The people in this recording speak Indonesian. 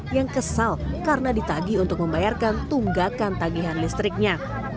yang kesal karena ditagi untuk membayarkan tunggakan tagihan listriknya